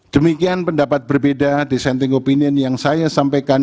demikian pendapat berbeda di senting opinian yang saya sampaikan